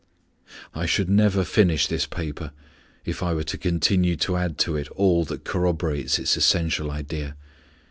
I should never finish this paper if I were to continue to add to it all that corroborates its essential idea.